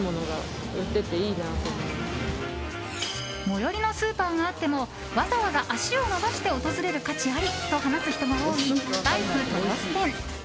最寄りのスーパーがあってもわざわざ足を延ばして訪れる価値ありと話す人が多いライフ豊洲店。